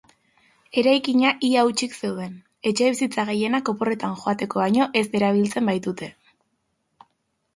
Eraikina ia hutsik zeuden, etxebizitza gehienak oporretan joateko baino ez erabiltzen baitute.